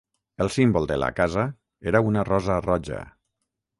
El símbol de la casa era una rosa roja.